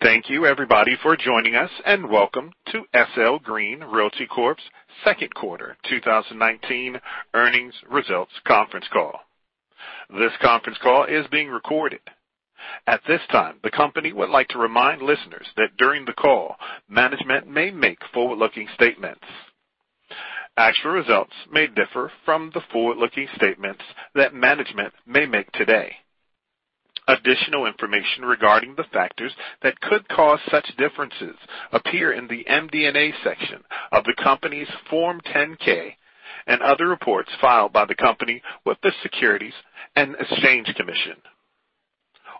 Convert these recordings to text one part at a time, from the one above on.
Thank you everybody for joining us, welcome to SL Green Realty Corp's second quarter 2019 earnings results conference call. This conference call is being recorded. At this time, the company would like to remind listeners that during the call, management may make forward-looking statements. Actual results may differ from the forward-looking statements that management may make today. Additional information regarding the factors that could cause such differences appear in the MD&A section of the company's Form 10-K and other reports filed by the company with the Securities and Exchange Commission.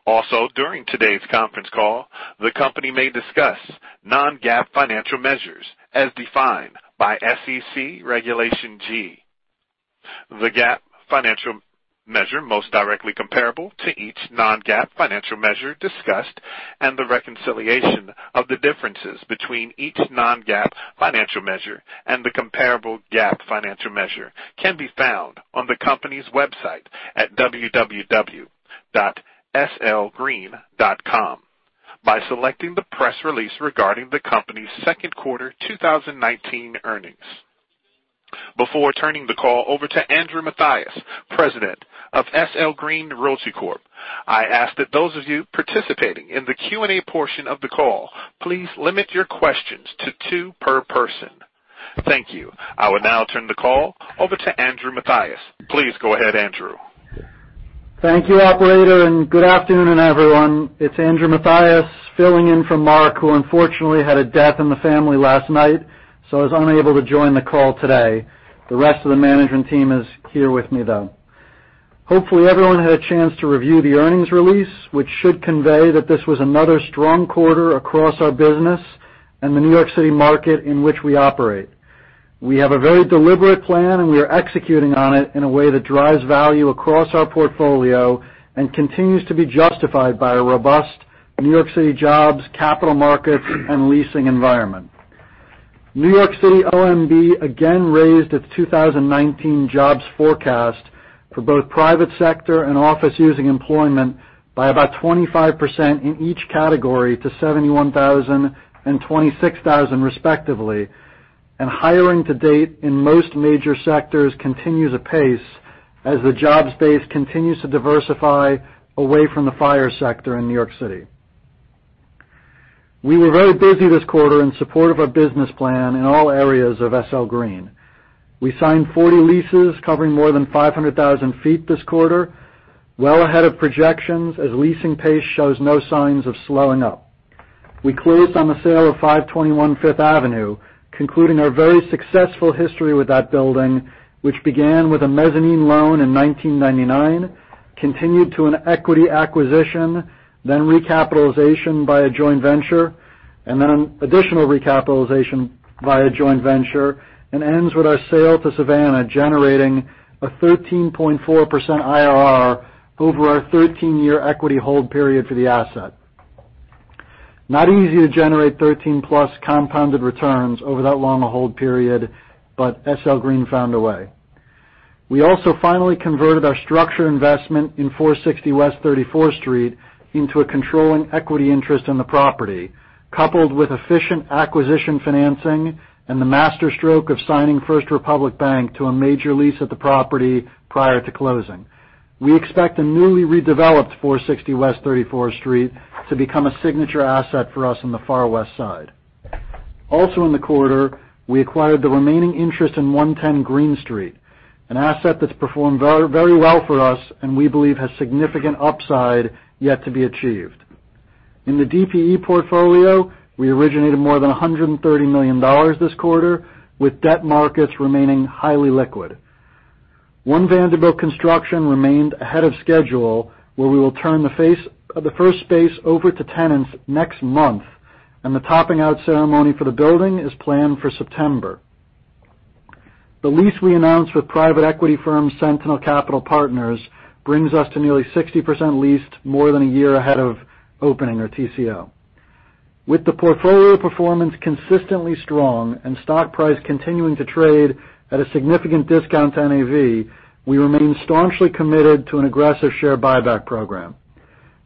Also, during today's conference call, the company may discuss non-GAAP financial measures as defined by SEC Regulation G. The GAAP financial measure most directly comparable to each non-GAAP financial measure discussed, the reconciliation of the differences between each non-GAAP financial measure and the comparable GAAP financial measure, can be found on the company's website at www.slgreen.com by selecting the press release regarding the company's second quarter 2019 earnings. Before turning the call over to Andrew Mathias, President of SL Green Realty Corp, I ask that those of you participating in the Q&A portion of the call, please limit your questions to two per person. Thank you. I would now turn the call over to Andrew Mathias. Please go ahead, Andrew. Thank you, operator, good afternoon, everyone. It's Andrew Mathias filling in for Marc, who unfortunately had a death in the family last night, so is unable to join the call today. The rest of the management team is here with me, though. Hopefully, everyone had a chance to review the earnings release, which should convey that this was another strong quarter across our business and the New York City market in which we operate. We have a very deliberate plan, we are executing on it in a way that drives value across our portfolio and continues to be justified by a robust New York City jobs, capital markets, and leasing environment. New York City OMB again raised its 2019 jobs forecast for both private sector and office using employment by about 25% in each category to 71,000 and 26,000 respectively. Hiring to date in most major sectors continues apace as the jobs base continues to diversify away from the fire sector in New York City. We were very busy this quarter in support of our business plan in all areas of SL Green. We signed 40 leases covering more than 500,000 feet this quarter, well ahead of projections, as leasing pace shows no signs of slowing up. We closed on the sale of 521 Fifth Avenue, concluding our very successful history with that building, which began with a mezzanine loan in 1999, continued to an equity acquisition, then recapitalization by a joint venture, and then an additional recapitalization by a joint venture, and ends with our sale to Savannah, generating a 13.4% IRR over our 13-year equity hold period for the asset. Not easy to generate 13-plus compounded returns over that long a hold period, SL Green found a way. We also finally converted our structure investment in 460 West 34th Street into a controlling equity interest in the property, coupled with efficient acquisition financing and the master stroke of signing First Republic Bank to a major lease at the property prior to closing. We expect the newly redeveloped 460 West 34th Street to become a signature asset for us on the Far West Side. Also in the quarter, we acquired the remaining interest in 110 Greene Street, an asset that's performed very well for us, and we believe has significant upside yet to be achieved. In the DPE portfolio, we originated more than $130 million this quarter, with debt markets remaining highly liquid. One Vanderbilt Construction remained ahead of schedule, where we will turn the first space over to tenants next month. The topping out ceremony for the building is planned for September. The lease we announced with private equity firm Sentinel Capital Partners brings us to nearly 60% leased more than a year ahead of opening our TCO. With the portfolio performance consistently strong and stock price continuing to trade at a significant discount to NAV, we remain staunchly committed to an aggressive share buyback program.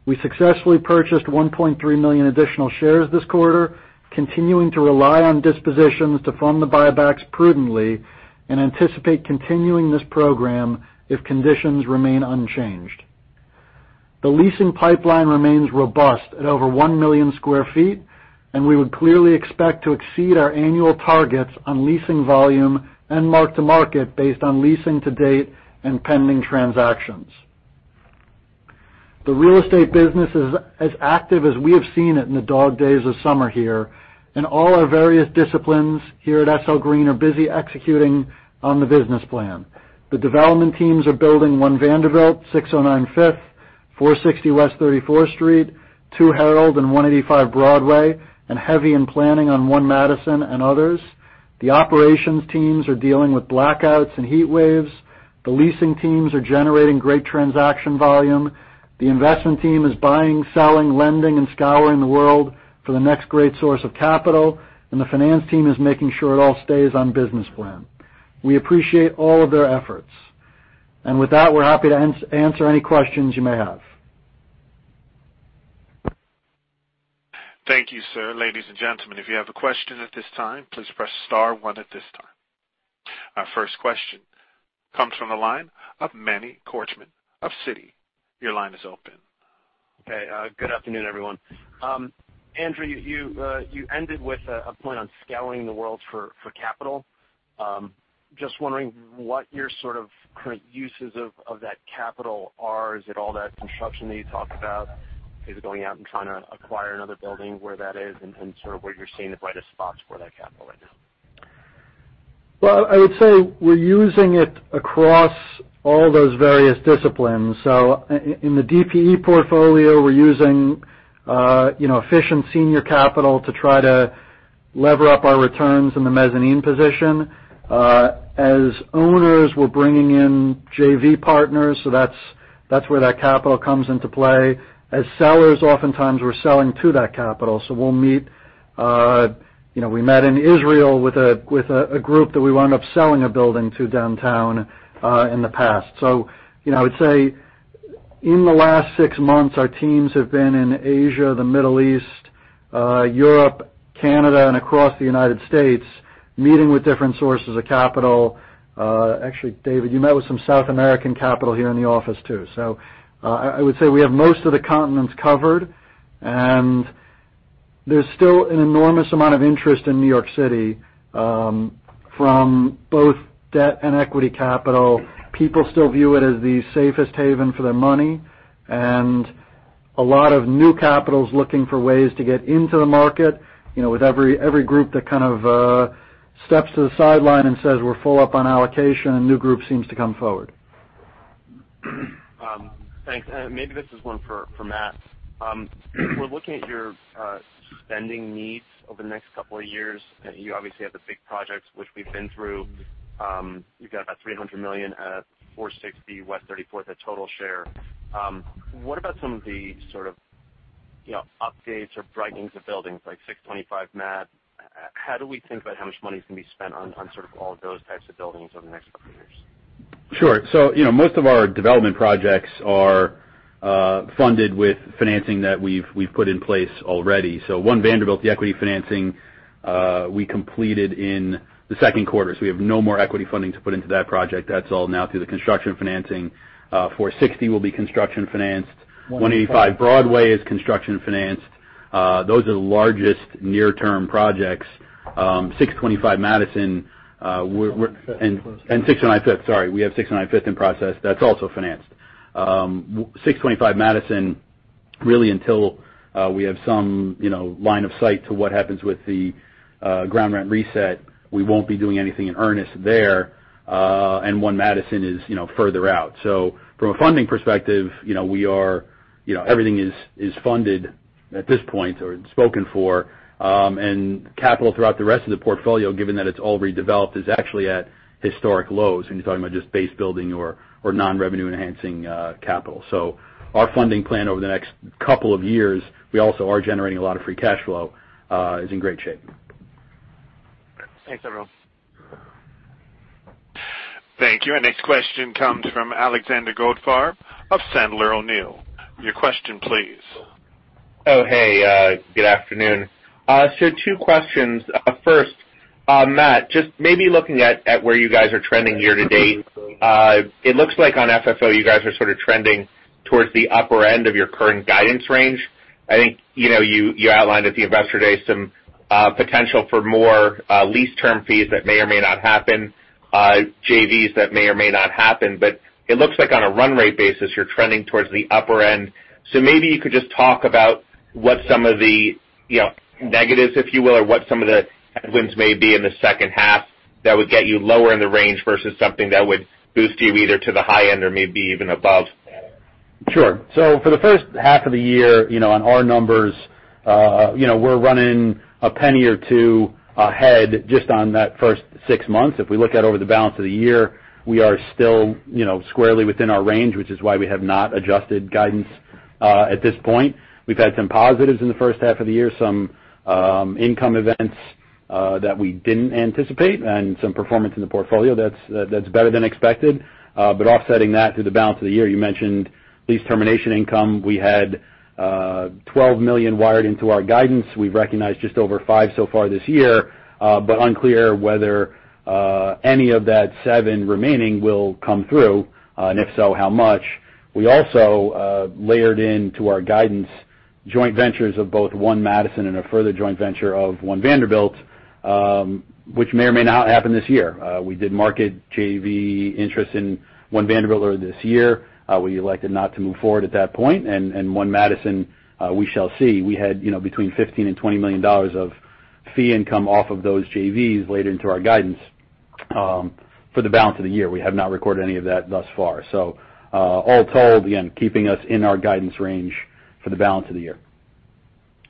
We successfully purchased 1.3 million additional shares this quarter, continuing to rely on dispositions to fund the buybacks prudently and anticipate continuing this program if conditions remain unchanged. The leasing pipeline remains robust at over 1 million sq ft, we would clearly expect to exceed our annual targets on leasing volume and mark-to-market based on leasing to date and pending transactions. The real estate business is as active as we have seen it in the dog days of summer here, all our various disciplines here at SL Green are busy executing on the business plan. The development teams are building One Vanderbilt, 609 Fifth, 460 West 34th Street, 2 Herald, and 185 Broadway, and heavy in planning on One Madison and others. The operations teams are dealing with blackouts and heat waves. The leasing teams are generating great transaction volume. The investment team is buying, selling, lending, and scouring the world for the next great source of capital. The finance team is making sure it all stays on business plan. We appreciate all of their efforts. With that, we're happy to answer any questions you may have. Thank you, sir. Ladies and gentlemen, if you have a question at this time, please press star one at this time. Our first question comes from the line of Manny Korchman of Citi. Your line is open. Good afternoon, everyone. Andrew, you ended with a point on scouring the world for capital. Just wondering what your sort of current uses of that capital are. Is it all that construction that you talked about? Is it going out and trying to acquire another building, where that is, and sort of where you're seeing the brightest spots for that capital right now? Well, I would say we're using it across all those various disciplines. In the DPE portfolio, we're using efficient senior capital to try to lever up our returns in the mezzanine position. As owners, we're bringing in JV partners, that's where that capital comes into play. As sellers, oftentimes we're selling to that capital. We met in Israel with a group that we wound up selling a building to downtown in the past. I would say in the last six months, our teams have been in Asia, the Middle East, Europe, Canada, and across the U.S., meeting with different sources of capital. Actually, David, you met with some South American capital here in the office, too. I would say we have most of the continents covered, and there's still an enormous amount of interest in New York City from both debt and equity capital. People still view it as the safest haven for their money, a lot of new capital's looking for ways to get into the market. With every group that kind of steps to the sideline and says, "We're full up on allocation," a new group seems to come forward. Thanks. Maybe this is one for Matt. If we're looking at your spending needs over the next couple of years, you obviously have the big projects, which we've been through. You've got about $300 million at 460, West 34th, at total share. What about some of the sort of updates or brightened buildings like 625, Mad-- How do we think about how much money's going to be spent on sort of all of those types of buildings over the next couple of years? Sure. Most of our development projects are funded with financing that we've put in place already. 1 Vanderbilt, the equity financing, we completed in the second quarter. We have no more equity funding to put into that project. That's all now through the construction financing. 460 will be construction financed. 185 Broadway is construction financed. Those are the largest near-term projects. 625 Madison 625. 625, sorry. We have 625 in process. That's also financed. 625 Madison, really until we have some line of sight to what happens with the ground rent reset, we won't be doing anything in earnest there. 1 Madison is further out. From a funding perspective, everything is funded at this point or spoken for. Capital throughout the rest of the portfolio, given that it's already developed, is actually at historic lows when you're talking about just base building or non-revenue-enhancing capital. Our funding plan over the next couple of years, we also are generating a lot of free cash flow, is in great shape. Thanks, everyone. Thank you. Our next question comes from Alexander Goldfarb of Sandler O'Neill. Your question please. Oh, hey. Good afternoon. Two questions. First, Matt, just maybe looking at where you guys are trending year to date. It looks like on FFO, you guys are sort of trending towards the upper end of your current guidance range. I think you outlined at the investor day some potential for more lease term fees that may or may not happen, JVs that may or may not happen, but it looks like on a run rate basis, you're trending towards the upper end. Maybe you could just talk about what some of the negatives, if you will, or what some of the headwinds may be in the second half that would get you lower in the range versus something that would boost you either to the high end or maybe even above. Sure. For the first half of the year, on our numbers, we're running $0.01 or $0.02 ahead just on that first six months. If we look out over the balance of the year, we are still squarely within our range, which is why we have not adjusted guidance at this point. We've had some positives in the first half of the year, some income events that we didn't anticipate, and some performance in the portfolio that's better than expected. Offsetting that through the balance of the year, you mentioned lease termination income. We had $12 million wired into our guidance. We've recognized just over $5 million so far this year. Unclear whether any of that $7 million remaining will come through, and if so, how much. We also layered into our guidance joint ventures of both 1 Madison and a further joint venture of 1 Vanderbilt, which may or may not happen this year. We did market JV interest in 1 Vanderbilt earlier this year. We elected not to move forward at that point. 1 Madison, we shall see. We had between $15 million and $20 million of fee income off of those JVs laid into our guidance for the balance of the year. We have not recorded any of that thus far. All told, again, keeping us in our guidance range for the balance of the year.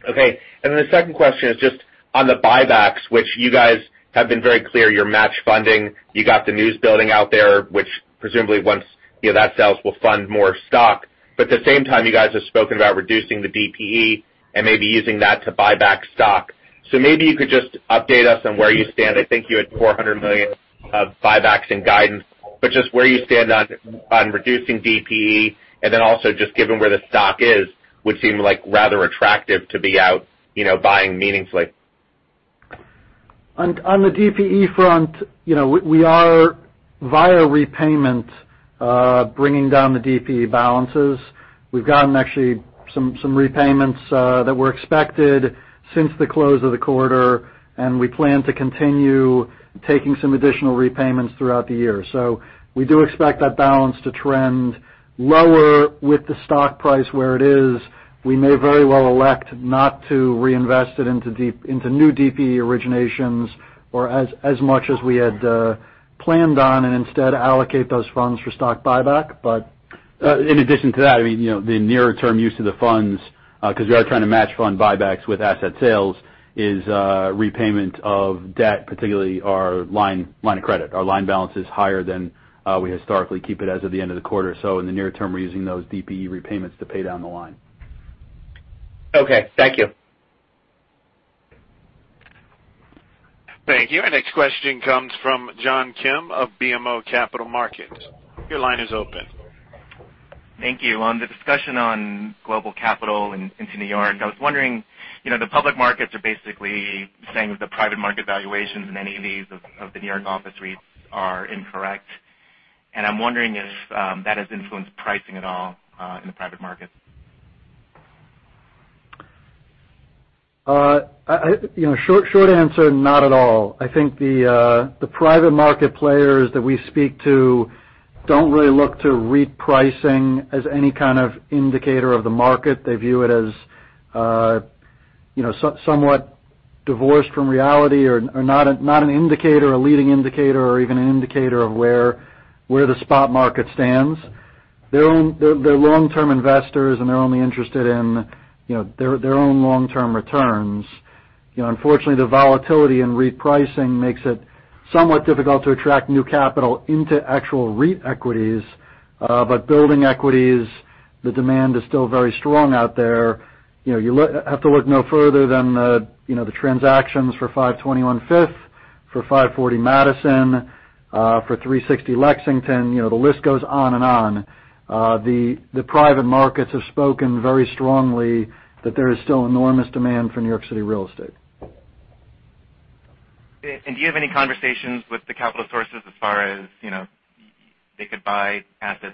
Okay. The second question is just on the buybacks, which you guys have been very clear, your match funding, you got the news building out there, which presumably once that sells, will fund more stock. At the same time, you guys have spoken about reducing the DPE and maybe using that to buy back stock. Maybe you could just update us on where you stand. I think you had $400 million of buybacks in guidance, just where you stand on reducing DPE, and then also just given where the stock is, would seem like rather attractive to be out buying meaningfully. On the DPE front, we are, via repayment, bringing down the DPE balances. We've gotten actually some repayments that were expected since the close of the quarter, and we plan to continue taking some additional repayments throughout the year. We do expect that balance to trend lower. With the stock price where it is, we may very well elect not to reinvest it into new DPE originations or as much as we had planned on, and instead allocate those funds for stock buyback. In addition to that, the nearer-term use of the funds, because we are trying to match fund buybacks with asset sales, is repayment of debt, particularly our line of credit. Our line balance is higher than we historically keep it as of the end of the quarter. In the near term, we're using those DPE repayments to pay down the line. Okay, thank you. Thank you. Our next question comes from John Kim of BMO Capital Markets. Your line is open. Thank you. On the discussion on global capital into New York, I was wondering, the public markets are basically saying that the private market valuations in many of these, of the New York office REITs are incorrect. I'm wondering if that has influenced pricing at all in the private markets. Short answer, not at all. I think the private market players that we speak to don't really look to REIT pricing as any kind of indicator of the market. They view it as somewhat divorced from reality or not an indicator, a leading indicator, or even an indicator of where the spot market stands. They're long-term investors, and they're only interested in their own long-term returns. Unfortunately, the volatility in REIT pricing makes it somewhat difficult to attract new capital into actual REIT equities. Building equities, the demand is still very strong out there. You have to look no further than the transactions for 521 Fifth, for 540 Madison, for 360 Lexington. The list goes on and on. The private markets have spoken very strongly that there is still enormous demand for New York City real estate. Do you have any conversations with the capital sources as far as, they could buy assets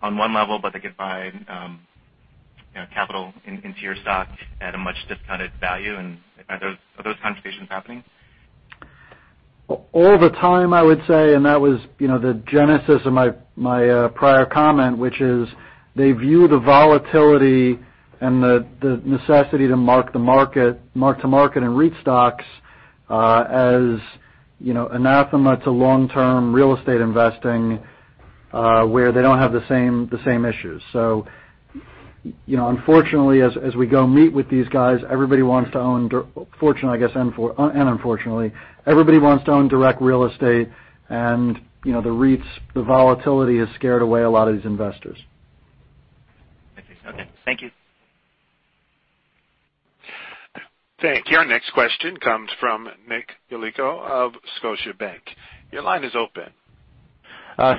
on one level, but they could buy capital into your stock at a much discounted value, and are those conversations happening? All the time, I would say, and that was the genesis of my prior comment, which is they view the volatility and the necessity to mark to market in REIT stocks as anathema to long-term real estate investing, where they don't have the same issues. Unfortunately, as we go meet with these guys, fortunately I guess, and unfortunately, everybody wants to own direct real estate, and the REITs, the volatility has scared away a lot of these investors. Okay, thank you. Thank you. Our next question comes from Nick Yulico of Scotiabank. Your line is open.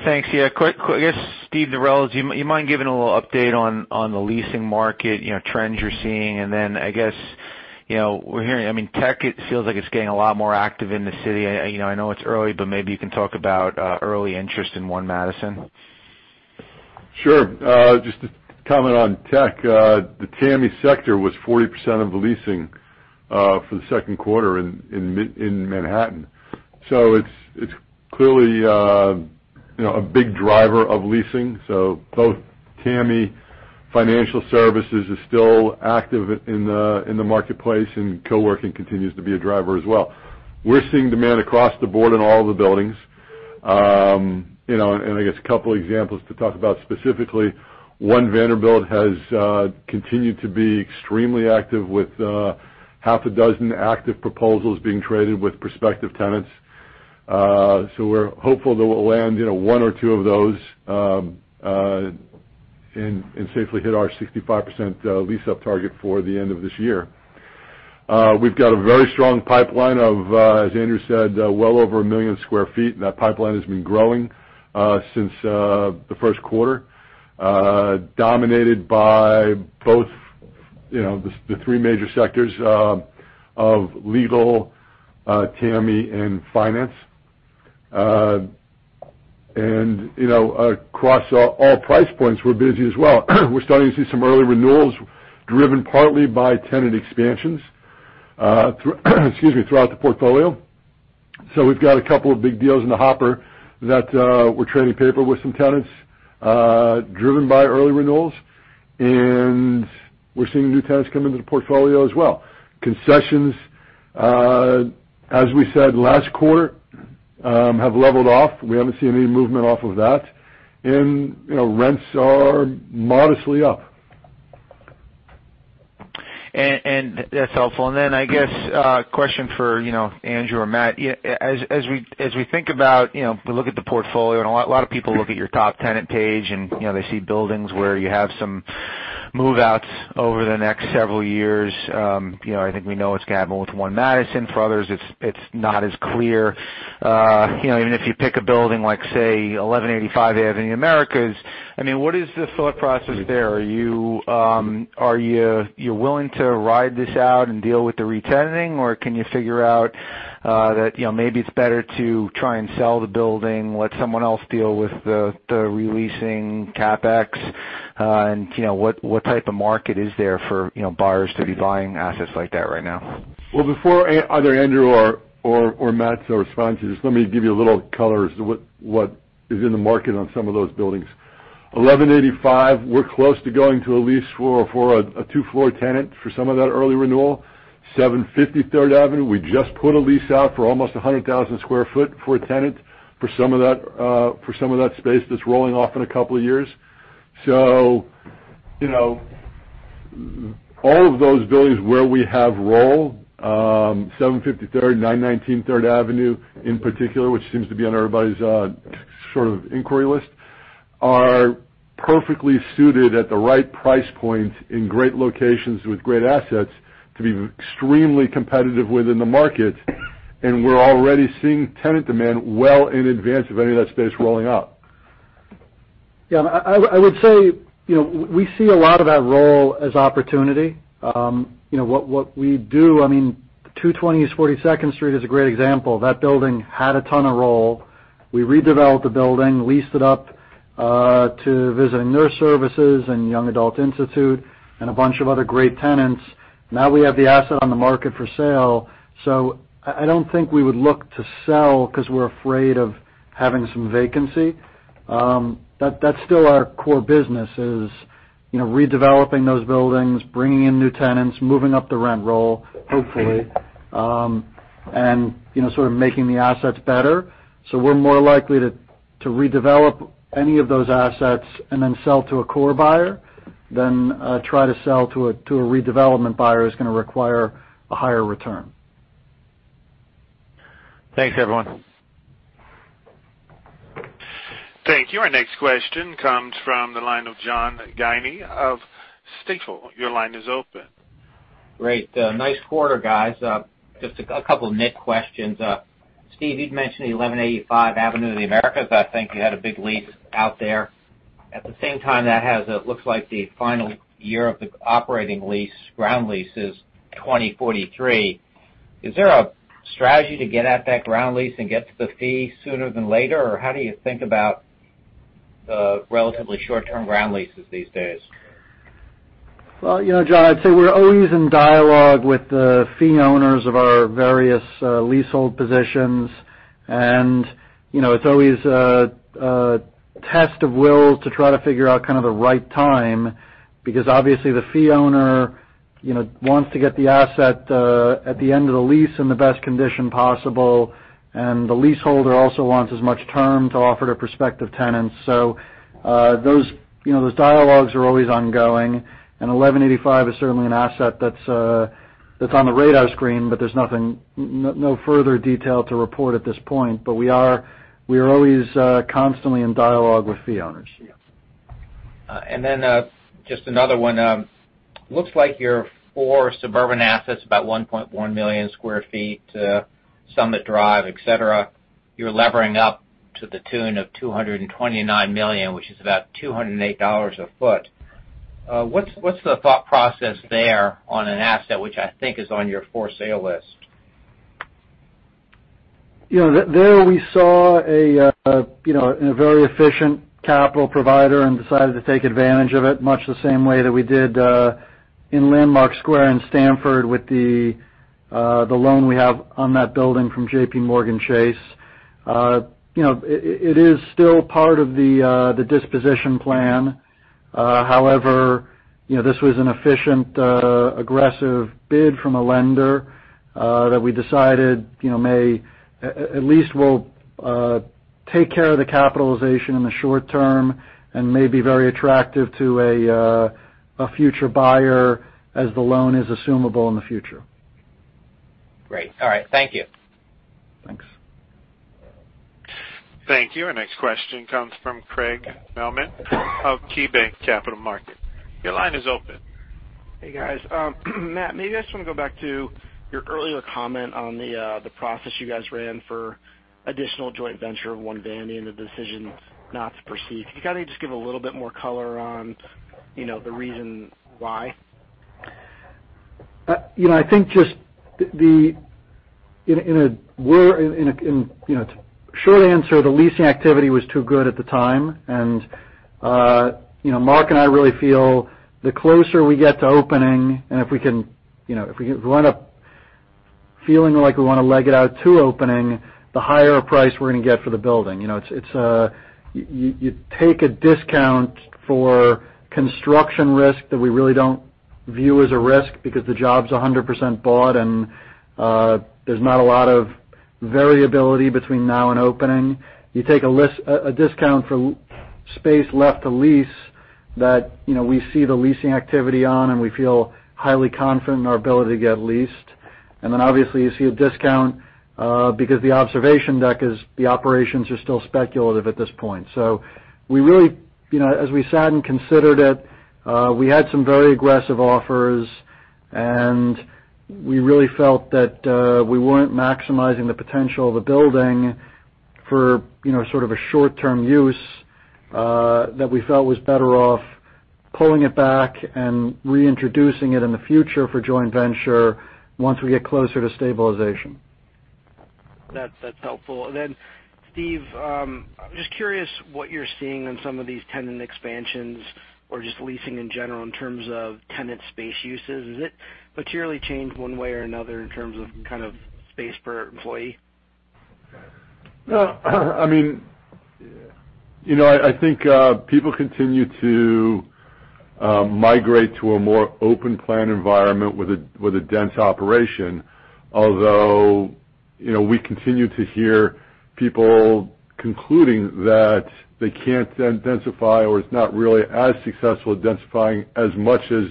Thanks. Yeah, quick, I guess, Steven Durels, you mind giving a little update on the leasing market trends you're seeing? Then, I guess, we're hearing tech, it feels like it's getting a lot more active in the city. I know it's early, but maybe you can talk about early interest in 1 Madison. Sure. Just to comment on tech, the TAMI sector was 40% of the leasing for the second quarter in Manhattan. It's clearly a big driver of leasing. Both TAMI financial services is still active in the marketplace, and co-working continues to be a driver as well. We're seeing demand across the board in all of the buildings. I guess a couple examples to talk about specifically, 1 Vanderbilt has continued to be extremely active with half a dozen active proposals being traded with prospective tenants. We're hopeful that we'll land one or two of those and safely hit our 65% lease-up target for the end of this year. We've got a very strong pipeline of, as Andrew said, well over 1 million sq ft, and that pipeline has been growing since the first quarter, dominated by both the three major sectors of legal, TAMI, and finance. Across all price points, we're busy as well. We're starting to see some early renewals driven partly by tenant expansions, excuse me, throughout the portfolio. We've got a couple of big deals in the hopper that we're trading paper with some tenants driven by early renewals, and we're seeing new tenants come into the portfolio as well. Concessions, as we said last quarter, have leveled off. We haven't seen any movement off of that. Rents are modestly up. That's helpful. Then I guess a question for Andrew or Matt. As we think about, we look at the portfolio, and a lot of people look at your top tenant page, and they see buildings where you have some move-outs over the next several years. I think we know what's happening with One Madison. For others, it's not as clear. Even if you pick a building like, say, 1185 Avenue of the Americas, what is the thought process there? Are you willing to ride this out and deal with the re-tenanting, or can you figure out that maybe it's better to try and sell the building, let someone else deal with the re-leasing CapEx? What type of market is there for buyers to be buying assets like that right now? Well, before either Andrew or Matt responds to this, let me give you a little color as to what is in the market on some of those buildings. 1185, we're close to going to a lease for a two-floor tenant for some of that early renewal. 750 Third Avenue, we just put a lease out for almost 100,000 sq ft for a tenant for some of that space that's rolling off in a couple of years. All of those buildings where we have roll, 753, 919 Third Avenue in particular, which seems to be on everybody's inquiry list, are perfectly suited at the right price point in great locations with great assets to be extremely competitive within the market. We're already seeing tenant demand well in advance of any of that space rolling out. Yeah. I would say, we see a lot of that roll as opportunity. What we do, 220 East 42nd Street is a great example. That building had a ton of roll. We redeveloped the building, leased it up to Visiting Nurse Service and Young Adult Institute, and a bunch of other great tenants. Now we have the asset on the market for sale. I don't think we would look to sell because we're afraid of having some vacancy. That's still our core business, is redeveloping those buildings, bringing in new tenants, moving up the rent roll, hopefully, and sort of making the assets better. We're more likely to redevelop any of those assets and then sell to a core buyer than try to sell to a redevelopment buyer who's going to require a higher return. Thanks, everyone. Thank you. Our next question comes from the line of John Guinee of Stifel. Your line is open. Great. Nice quarter, guys. Just a couple nic questions. Steve, you'd mentioned the 1185 Avenue of the Americas. I think you had a big lease out there. At the same time, that has what looks like the final year of the operating lease, ground lease is 2043. Is there a strategy to get at that ground lease and get to the fee sooner than later, or how do you think about the relatively short-term ground leases these days? Well, John, I'd say we're always in dialogue with the fee owners of our various leasehold positions. It's always a test of will to try to figure out kind of the right time, because obviously the fee owner wants to get the asset at the end of the lease in the best condition possible. The leaseholder also wants as much term to offer to prospective tenants. Those dialogues are always ongoing, 1185 is certainly an asset that's on the radar screen, but there's no further detail to report at this point. We are always constantly in dialogue with fee owners. Yeah. Just another one. Looks like your four suburban assets, about 1.1 million sq ft, Summit Drive, et cetera, you're levering up to the tune of $229 million, which is about $208 a foot. What's the thought process there on an asset which I think is on your for sale list? There we saw a very efficient capital provider and decided to take advantage of it, much the same way that we did in Landmark Square in Stamford with the loan we have on that building from JPMorgan Chase. It is still part of the disposition plan. This was an efficient, aggressive bid from a lender that we decided at least will take care of the capitalization in the short term and may be very attractive to a future buyer as the loan is assumable in the future. Great. All right. Thank you. Thanks. Thank you. Our next question comes from Craig Mailman of KeyBanc Capital Markets. Your line is open. Hey, guys. Matt, maybe I just want to go back to your earlier comment on the process you guys ran for additional joint venture of One Vanderbilt and the decision not to proceed. Can you kind of just give a little bit more color on the reason why? I think the short answer, the leasing activity was too good at the time. Marc and I really feel the closer we get to opening, if we end up feeling like we want to leg it out to opening, the higher price we're going to get for the building. You take a discount for construction risk that we really don't view as a risk because the job's 100% bought and there's not a lot of variability between now and opening. You take a discount for space left to lease that we see the leasing activity on, and we feel highly confident in our ability to get leased. Then obviously you see a discount because the observation deck is. The operations are still speculative at this point. As we sat and considered it, we had some very aggressive offers. We really felt that we weren't maximizing the potential of the building for sort of a short-term use that we felt was better off pulling it back and reintroducing it in the future for joint venture once we get closer to stabilization. That's helpful. Then, Steve, I'm just curious what you're seeing on some of these tenant expansions or just leasing in general in terms of tenant space uses. Has it materially changed one way or another in terms of kind of space per employee? No. I think people continue to migrate to a more open-plan environment with a dense operation. We continue to hear people concluding that they can't densify or it's not really as successful densifying as much as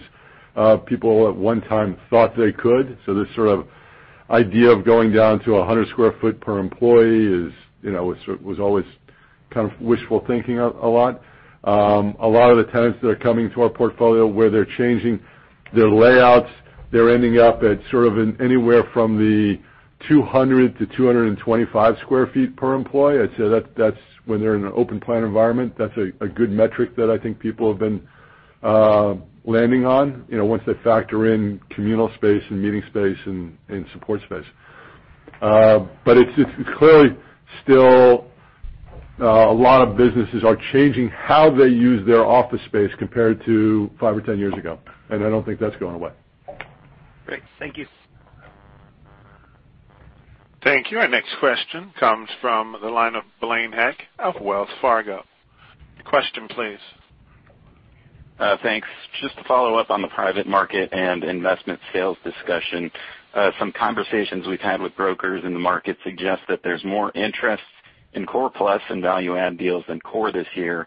people at one time thought they could. This sort of idea of going down to 100 sq ft per employee was always kind of wishful thinking a lot. A lot of the tenants that are coming to our portfolio, where they're changing their layouts, they're ending up at sort of anywhere from the 200-225 sq ft per employee. I'd say when they're in an open-plan environment, that's a good metric that I think people have been landing on, once they factor in communal space and meeting space and support space. It's clearly still a lot of businesses are changing how they use their office space compared to 5 or 10 years ago. I don't think that's going away. Great. Thank you. Thank you. Our next question comes from the line of Blaine Heck of Wells Fargo. Question, please. Thanks. Just to follow up on the private market and investment sales discussion. Some conversations we've had with brokers in the market suggest that there's more interest in core plus and value add deals than core this year.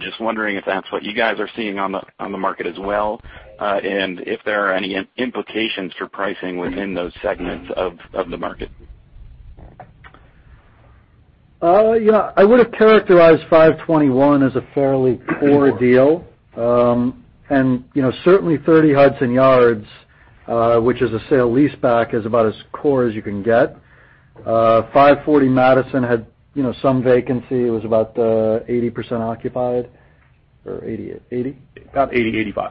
Just wondering if that's what you guys are seeing on the market as well, and if there are any implications for pricing within those segments of the market. I would've characterized 521 as a fairly core deal. Certainly 30 Hudson Yards, which is a sale leaseback, is about as core as you can get. 540 Madison had some vacancy. It was about 80% occupied. Or 80? About 80, 85.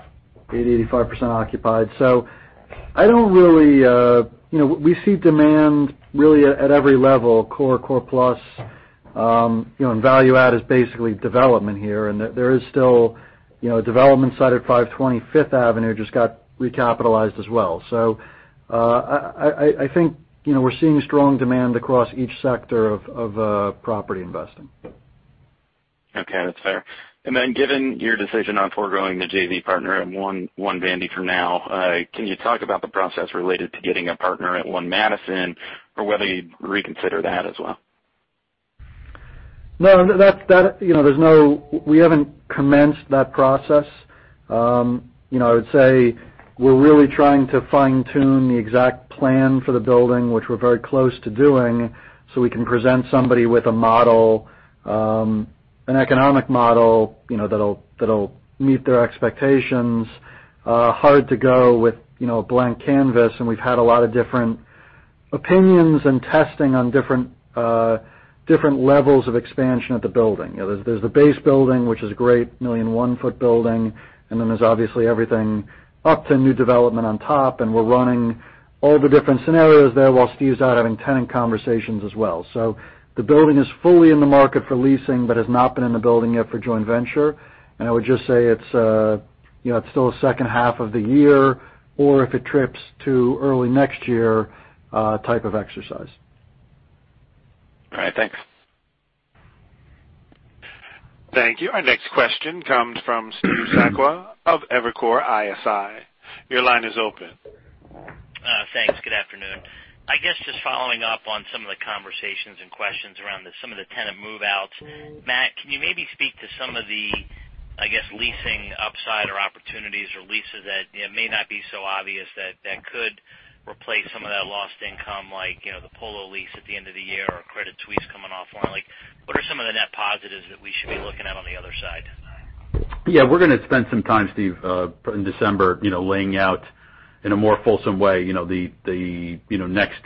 80, 85% occupied. We see demand really at every level, core plus, and value add is basically development here. There is still a development site at 520 Fifth Avenue, just got recapitalized as well. I think we're seeing strong demand across each sector of property investing. Okay. That's fair. Given your decision on foregoing the JV partner at 1 Vandy for now, can you talk about the process related to getting a partner at 1 Madison or whether you'd reconsider that as well? No. We haven't commenced that process. I would say we're really trying to fine-tune the exact plan for the building, which we're very close to doing, so we can present somebody with an economic model that'll meet their expectations. Hard to go with a blank canvas. We've had a lot of different opinions and testing on different levels of expansion of the building. There's the base building, which is a great million-and-one-foot building, then there's obviously everything up to new development on top, and we're running all the different scenarios there while Steve's out having tenant conversations as well. The building is fully in the market for leasing, but has not been in the building yet for joint venture. I would just say it's still a second half of the year, or if it trips to early next year, type of exercise. All right. Thanks. Thank you. Our next question comes from Steve Sakwa of Evercore ISI. Your line is open. Thanks. Good afternoon. I guess just following up on some of the conversations and questions around some of the tenant move-outs. Matt, can you maybe speak to some of the, I guess, leasing upside or opportunities or leases that may not be so obvious that could replace some of that lost income, like the Polo lease at the end of the year or Credit Suisse coming off online? What are some of the net positives that we should be looking at on the other side? Yeah. We're gonna spend some time, Steve, in December laying out in a more fulsome way the next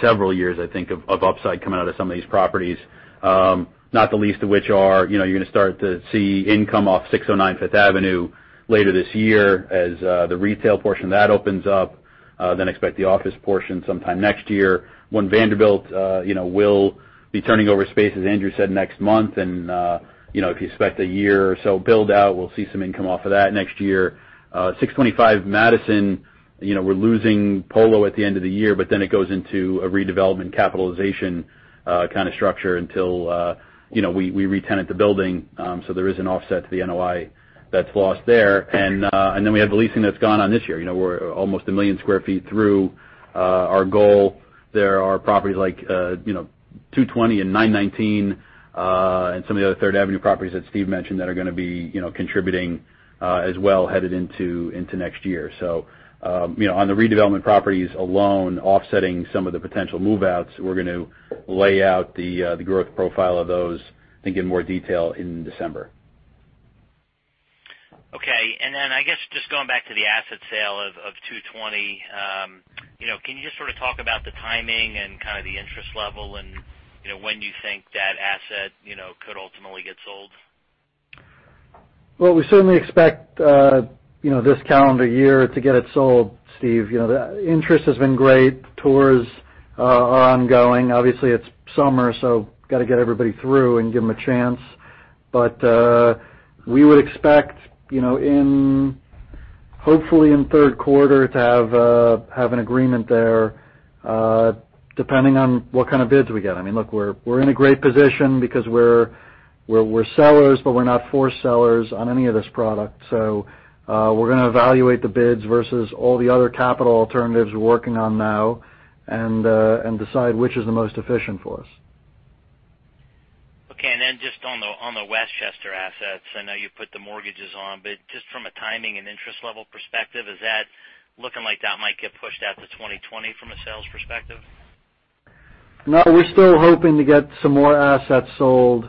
several years, I think, of upside coming out of some of these properties. Not the least of which are you're gonna start to see income off 609 Fifth Avenue later this year as the retail portion of that opens up. Expect the office portion sometime next year. One Vanderbilt, we'll be turning over space, as Andrew said, next month. If you expect a year or so build-out, we'll see some income off of that next year. 625 Madison, we're losing Polo at the end of the year, it goes into a redevelopment capitalization kind of structure until we retenant the building, so there is an offset to the NOI that's lost there. We have the leasing that's gone on this year. We're almost 1 million square feet through our goal. There are properties like 220 and 919, and some of the other Third Avenue properties that Steve mentioned that are going to be contributing as well headed into next year. On the redevelopment properties alone, offsetting some of the potential move-outs, we're going to lay out the growth profile of those, I think, in more detail in December. Okay. I guess just going back to the asset sale of 220. Can you just sort of talk about the timing and kind of the interest level and when you think that asset could ultimately get sold? Well, we certainly expect this calendar year to get it sold, Steve. The interest has been great. Tours are ongoing. Obviously, it's summer, got to get everybody through and give them a chance. We would expect, hopefully in third quarter to have an agreement there, depending on what kind of bids we get. Look, we're in a great position because we're sellers, but we're not for sellers on any of this product. We're going to evaluate the bids versus all the other capital alternatives we're working on now and decide which is the most efficient for us. Okay. Just on the Westchester assets, I know you put the mortgages on, just from a timing and interest level perspective, is that looking like that might get pushed out to 2020 from a sales perspective? No, we're still hoping to get some more assets sold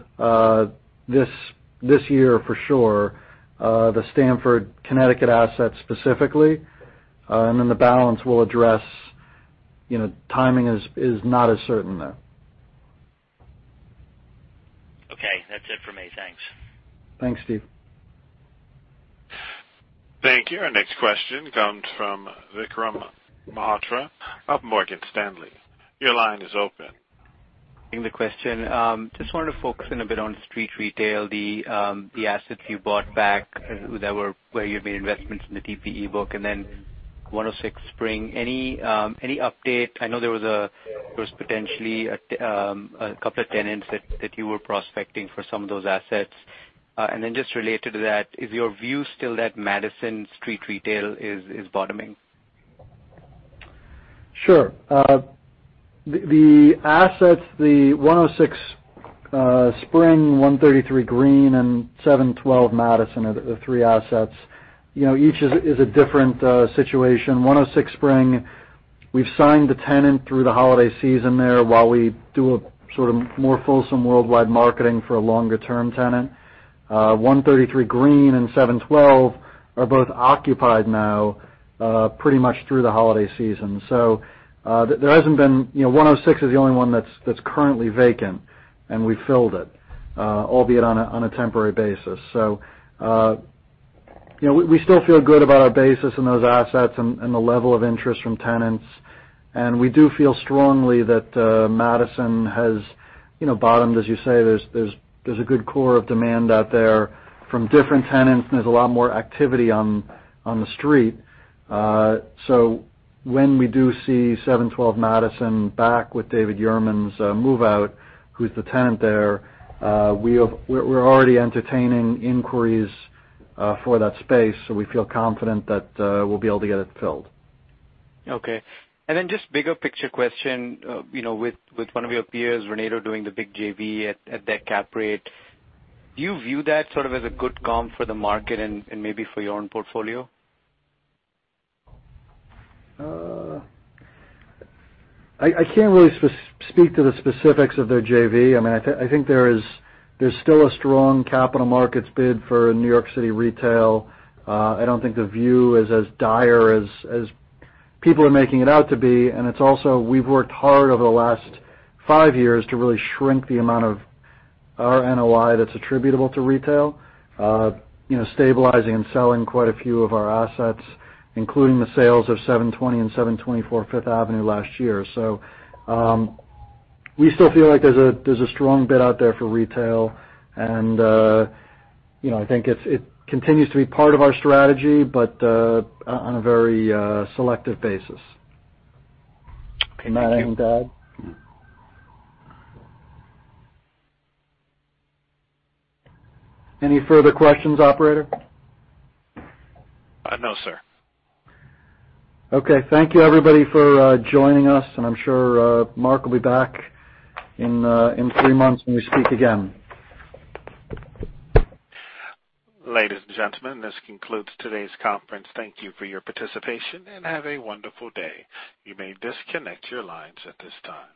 this year for sure. The Stamford, Connecticut assets specifically, the balance we'll address. Timing is not as certain there. Okay, that's it for me. Thanks. Thanks, Steve. Thank you. Our next question comes from Vikram Malhotra of Morgan Stanley. Your line is open. The question. Just wanted to focus in a bit on street retail, the assets you bought back where you've made investments in the DPE book and then 106 Spring. Any update? I know there was potentially a couple of tenants that you were prospecting for some of those assets. Just related to that, is your view still that Madison street retail is bottoming? Sure. The assets, the 106 Spring, 133 Green, and 712 Madison are the three assets. Each is a different situation. 106 Spring, we've signed the tenant through the holiday season there while we do a sort of more fulsome worldwide marketing for a longer-term tenant. 133 Green and 712 are both occupied now pretty much through the holiday season. 106 is the only one that's currently vacant, and we filled it, albeit on a temporary basis. We still feel good about our basis in those assets and the level of interest from tenants, and we do feel strongly that Madison has bottomed. As you say, there's a good core of demand out there from different tenants, and there's a lot more activity on the street. When we do see 712 Madison back with David Yurman's move-out, who's the tenant there, we're already entertaining inquiries for that space, so we feel confident that we'll be able to get it filled. Okay. Just bigger picture question. With one of your peers, Vornado, doing the big JV at their cap rate, do you view that sort of as a good comp for the market and maybe for your own portfolio? I can't really speak to the specifics of their JV. I think there's still a strong capital markets bid for New York City retail. I don't think the view is as dire as people are making it out to be, and it's also, we've worked hard over the last five years to really shrink the amount of our NOI that's attributable to retail. Stabilizing and selling quite a few of our assets, including the sales of 720 and 724 Fifth Avenue last year. We still feel like there's a strong bid out there for retail, and I think it continues to be part of our strategy, but on a very selective basis. Okay. Thank you. Matt, anything to add? Any further questions, operator? No, sir. Okay. Thank you, everybody, for joining us. I'm sure Marc will be back in three months when we speak again. Ladies and gentlemen, this concludes today's conference. Thank you for your participation, and have a wonderful day. You may disconnect your lines at this time.